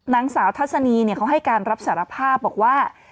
นางสาวทัศนีเขาให้การรับสารภาพบอกว่า